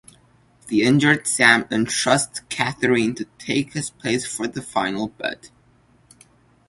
The injured Sam entrusts Catherine to take his place for the final bet.